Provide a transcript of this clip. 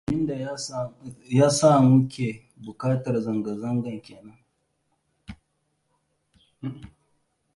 Abinda ya sa mu ke buƙatar zanga-zanga kenan.